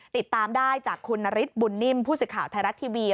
ติดตามได้จากคุณนฤทธิบุญนิ่มผู้สื่อข่าวไทยรัฐทีวี